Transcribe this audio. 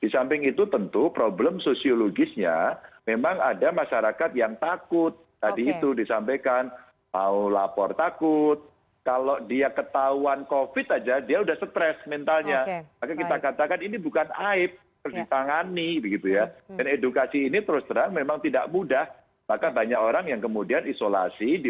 selamat sore mbak rifana